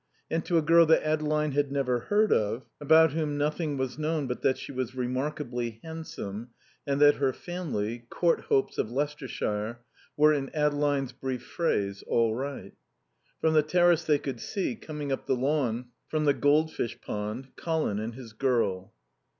And to a girl that Adeline had never heard of, about whom nothing was known but that she was remarkably handsome and that her family (Courthopes of Leicestershire) were, in Adeline's brief phrase, "all right." From the terrace they could see, coming up the lawn from the goldfish pond, Colin and his girl.